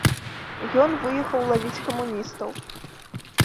Ён выехаў лавіць камуністаў.